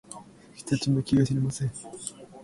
作った奴の気が知れません